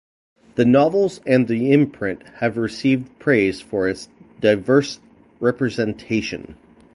The novels and the imprint have received praise for its diverse representation.